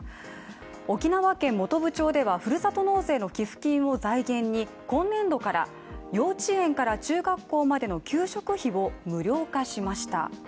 沖縄県本部町ではふるさと納税の寄附金を財源に、今年度から幼稚園から中学校までの給食費を無料化しました。